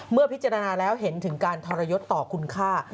เมื่อพิจารณาแล้วเห็นถึงการทรยศต่อคุณค่า